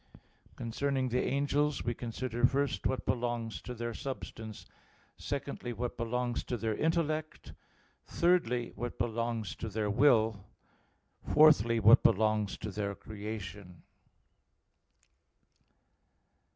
Concerning the angels, we consider first what belongs to their substance; secondly, what belongs to their intellect; thirdly, what belongs to their will; fourthly, what belongs to their creation.